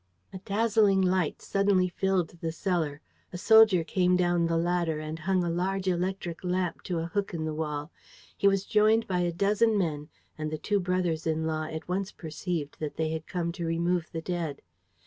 ..." A dazzling light suddenly filled the cellar. A soldier came down the ladder and hung a large electric lamp to a hook in the wall. He was joined by a dozen men; and the two brothers in law at once perceived that they had come to remove the dead.